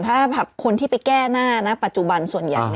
ถ้าแบบคนที่ไปแก้หน้านะปัจจุบันส่วนหยัดเนี่ย